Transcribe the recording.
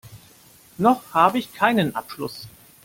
Noch habe ich keinen Abschluss.